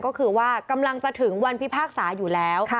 ก็คือว่ากำลังจะถึงวันพิพากษาอยู่แล้ว